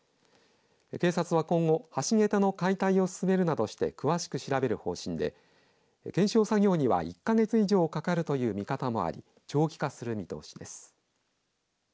警察は今後橋桁の解体を進めるなどして詳しく調べる方針で検証作業には１か月以上かかるという見方もあり長期化する見通しです。